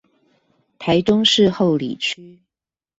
台中市后里區